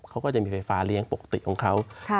เขาก็จะมีไฟฟ้าเลี้ยงปกติของเขา